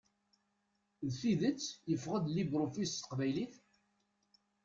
D tidet yeffeɣ-d LibreOffice s teqbaylit?